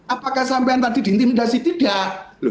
apakah sampean tadi diintimidasi tidak